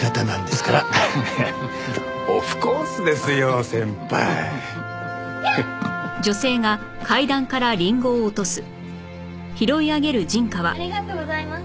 ありがとうございます。